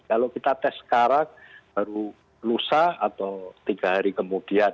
kalau kita tes sekarang baru lusa atau tiga hari kemudian